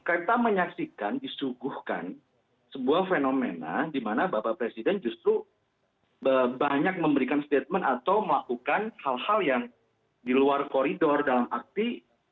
jadi kita menyaksikan disuguhkan sebuah fenomena di mana bapak presiden justru banyak memberikan statement atau melakukan hal hal yang di luar koridor dalam arti